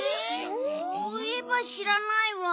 そういえばしらないわ。